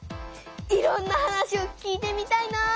いろんな話を聞いてみたいなぁ。